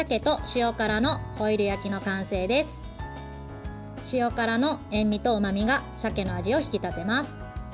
塩辛の塩みとうまみがさけの味を引き立てます。